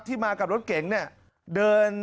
ที่มากับรถเก่งเนี่ย